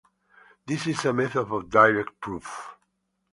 This is a method of direct proof.